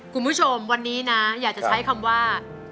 คุณผู้ชมวันนี้นะอยากจะใช้คำว่า